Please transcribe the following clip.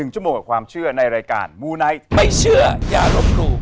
ชั่วโมงกว่าความเชื่อในรายการมูไนท์ไม่เชื่ออย่าลบหลู่